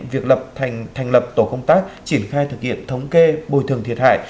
việc lập thành lập tổ công tác triển khai thực hiện thống kê bồi thường thiệt hại